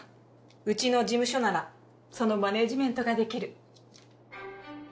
うちの事務所ならそのマネージメントができる。